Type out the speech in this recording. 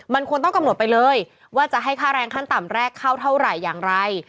มันควรต้องกำหนดไปเลยว่าจะให้ค่าแรงขั้นต่ำแรกเข้าเท่าไหร่อย่างไร